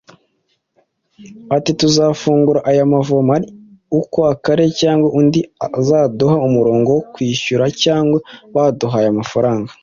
Ati “Tuzafungura aya mavomo ari uko akarere cyangwa undi azaduha umurongo wo kwishyura cyangwa baduhaye amafaranga”